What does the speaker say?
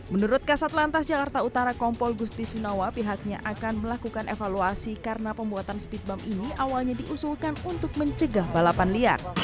menurut kasat lantas jakarta utara kompol gustisunawa pihaknya akan melakukan evaluasi karena pembuatan speed bump ini awalnya diusulkan untuk mencegah balapan liar